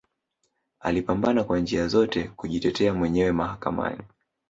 Alipambana kwa njia zote kujitetea mwenyewe mahakani